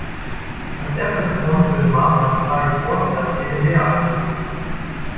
Als erste vertrauensbildende Maßnahme schlage ich vor, dass Sie ihr Gewehr ablegen.